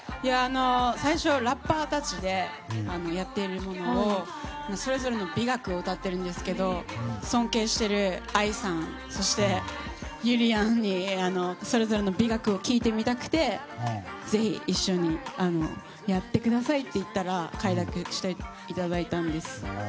最初、ラッパーたちでやっているのをそれぞれの美学を歌ってるんですけど尊敬しているＡＩさんそして、ゆりやんにそれぞれの美学を聞いてみたくてぜひ一緒にやってくださいって言ったら快諾していただいたんです。